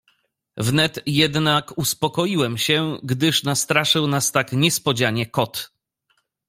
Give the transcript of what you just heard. "Wnet jednak uspokoiłem się, gdyż nastraszył nas tak niespodzianie kot."